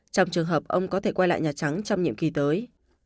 trong trường hợp ông có thể quay lại nhà trắng trong nhiệm kỳ tới